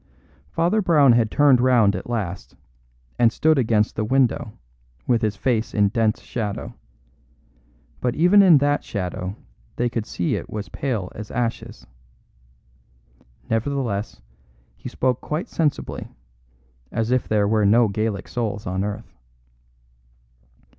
Father Brown had turned round at last, and stood against the window, with his face in dense shadow; but even in that shadow they could see it was pale as ashes. Nevertheless, he spoke quite sensibly, as if there were no Gaelic souls on earth.